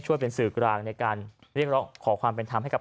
เป็นสื่อกลางในการเรียกร้องขอความเป็นธรรมให้กับ